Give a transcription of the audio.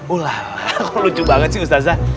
ulah kok lucu banget sih ustazah